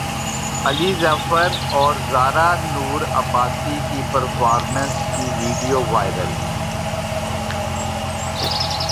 علی ظفر اور زارا نور عباس کی پرفارمنس کی ویڈیو وائرل